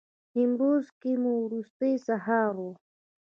نیمروز کې مو وروستی سهار و.